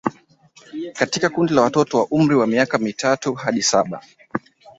Katika kundi la watoto wa umri wa miaka mitatu hadi saba